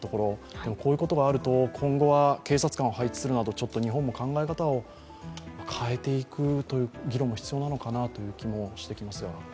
でも、こういうことがあると、今後は警察官を配置するなど日本も考え方を変えていくという議論、必要なのかなという気もしてきますが。